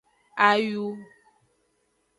Ayu.